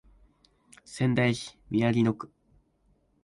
仙台市宮城野区